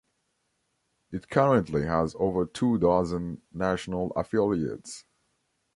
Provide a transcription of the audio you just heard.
It currently has over two dozen national affiliates.